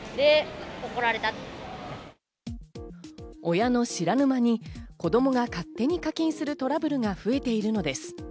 親の知らぬ間に子供が勝手に課金するトラブルが増えているのです。